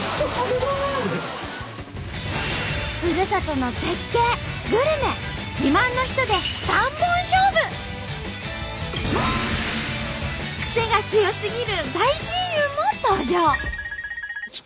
ふるさとの「絶景」「グルメ」「自慢の人」でクセが強すぎる大親友も登場！